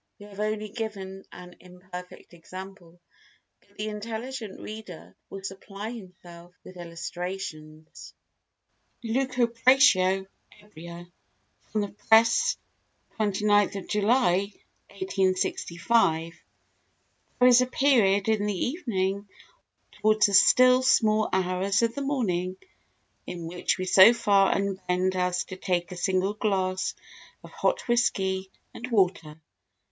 We have only given an imperfect example, but the intelligent reader will supply himself with illustrations. Lucubratio Ebria [From the Press, 29 July, 1865] There is a period in the evening, or more generally towards the still small hours of the morning, in which we so far unbend as to take a single glass of hot whisky and water.